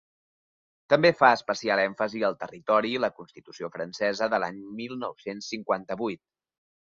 També fa especial èmfasi al territori la constitució francesa, de l’any mil nou-cents cinquanta-vuit.